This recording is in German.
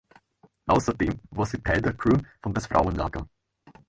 Außerdem war sie Teil der Crew von "Das Frauenlager".